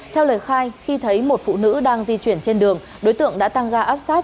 theo lời khai khi thấy một phụ nữ đang di chuyển trên đường đối tượng đã tăng ga áp sát